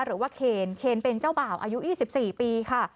หรือว่าเขนเขนเป็นเจ้าบ่าวอายุ๒๔ปีค่ะ